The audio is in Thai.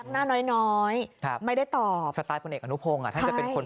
หน้าน้อยน้อยไม่ได้ตอบสไตล์ผลเอกอนุพงศ์อ่ะท่านจะเป็นคน